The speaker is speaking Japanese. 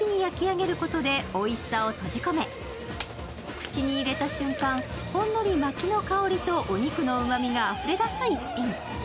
口に入れた瞬間、ほんのりまきの香りとお肉のうまみがあふれだす一品。